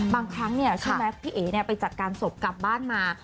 บางครั้งพี่เอ๋ไปจัดการศพกลับบ้านมา